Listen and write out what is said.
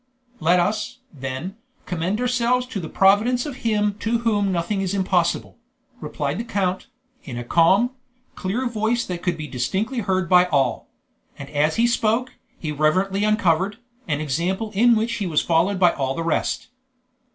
"Let us, then, commend ourselves to the providence of Him to Whom nothing is impossible," replied the count, in a calm, clear voice that could be distinctly heard by all; and as he spoke, he reverently uncovered, an example in which he was followed by all the rest.